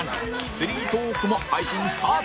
スリートーークも配信スタート